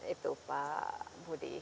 itu pak budi